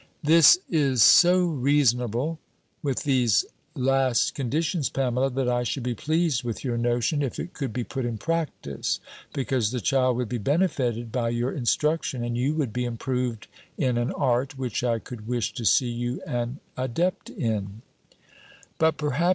"This is so reasonable, with these last conditions, Pamela, that I should be pleased with your notion, if it could be put in practice, because the child would be benefited by your instruction, and you would be improved in an art, which I could wish to see you an adept in." "But, perhaps.